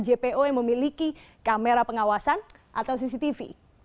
jpo yang memiliki kamera pengawasan atau cctv